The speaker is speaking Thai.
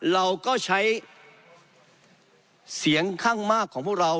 เราก็ใช้เสียงข้างมากของพวกเรา